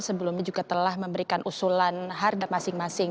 sebelumnya juga telah memberikan usulan harga masing masing